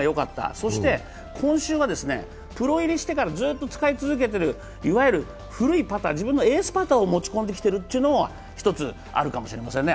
そして今週は、プロ入りしてからずっと使い続けてるいわゆる古いパター、自分のエースパターを持ち込んできているというのが一つあるかもしれませんね。